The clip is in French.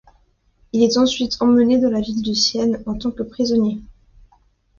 Il est ensuite emmené dans la ville de Sienne en tant que prisonnier.